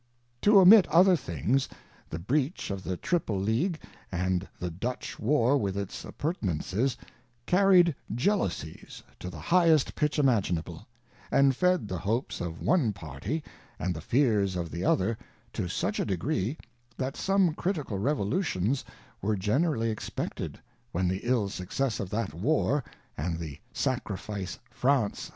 To omit other things, the breach of the Tripple League, and the Dutch War with its appurtenances, carried Jealousies to the highest pitch imaginable, and fed the hopes of one Party and the fears of the Other to such a degree, that some Critical Revolutions were generally expected, when the ill success of that War, and the Sacrifice France.